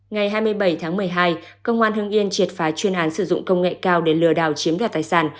ngày hai mươi bảy tháng một mươi hai công an hưng yên triệt phá chuyên án sử dụng công nghệ cao để lừa đào chiếm đạt tài sản